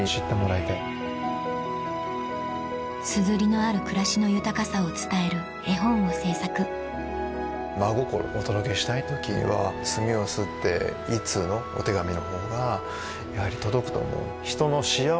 硯のある暮らしの豊かさを伝える絵本を製作真心をお届けしたい時には墨をすって一通のお手紙のほうがやはり届くと思う。